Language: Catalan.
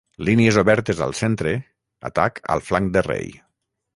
Línies obertes al centre, atac al flanc de rei.